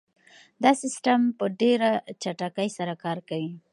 دا سیسټم په ډېره چټکۍ سره کار کوي.